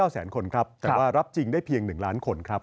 แต่ว่ารับจริงได้เพียง๑ล้านคน